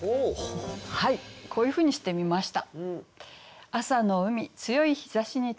はいこういうふうにしてみました。